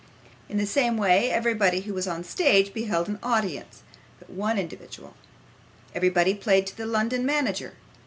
In the same way, everybody who was on the stage beheld no audience but one individual; everybody played to the London manager.